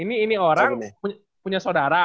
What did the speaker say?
ini orang punya saudara